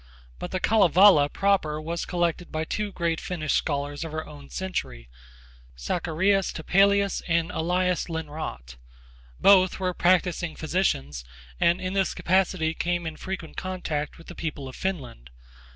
But the Kalevala proper was collected by two great Finnish scholars of our own century, Zacharias Topelius and Elias Lonnrot. Both were practising physicians, and in this capacity came into frequent contact with the people of Finland.